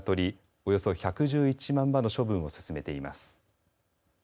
およそ１１１万羽の処分を進めています。